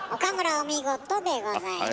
お見事でございました。